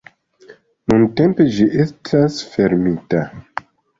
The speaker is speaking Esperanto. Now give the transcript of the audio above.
Nuntempe, ĝi estas fermita".